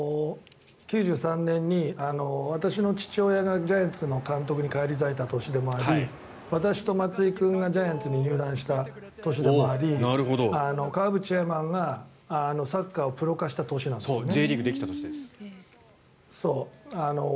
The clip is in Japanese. ９３年に私の父親がジャイアンツの監督に返り咲いた年でもあり私と松井君がジャイアンツに入団した年でもあり川淵チェアマンがサッカーをプロ化した年なんです。